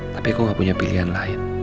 tapi kau gak punya pilihan lain